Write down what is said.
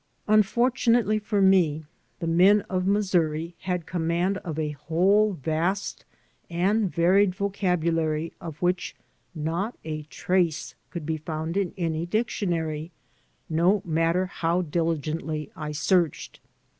Unfortunately for me, the men of Missouri had conmiand of a whole vast and varied vocabulary of which not a trace could be found in any dictionary, no matter how diligently I searched.